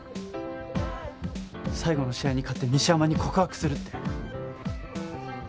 最後の試合に勝って西山に告白するって。